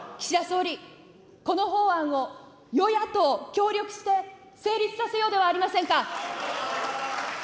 岸田総理、この法案を与野党協力して成立させようではありませんか。